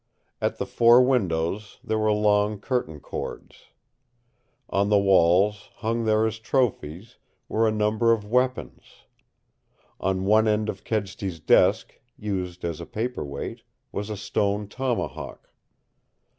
At the four windows there were long curtain cords. On the walls, hung there as trophies, were a number of weapons. On one end of Kedsty's desk, used as a paperweight, was a stone tomahawk.